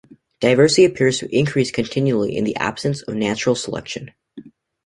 Diversity appears to increase continually in the absence of natural selection.